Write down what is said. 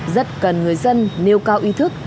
rất cần người dân nêu cao ý thức